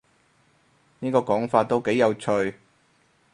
呢個講法都幾有趣